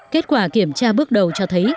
kết quả kiểm tra bước đầu cho thấy